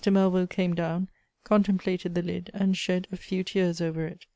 Melvill came down, contemplated the lid, and shed a few tears over it.